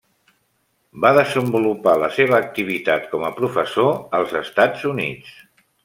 Va desenvolupar la seva activitat com a professor als Estats Units.